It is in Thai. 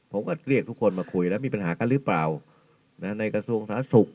เรียกทุกคนมาคุยแล้วมีปัญหากันหรือเปล่าในกระทรวงสาธารณสุข